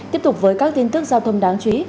tiếp tục với các tin tức giao thông đáng chú ý